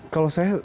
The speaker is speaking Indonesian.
kalau saya lihat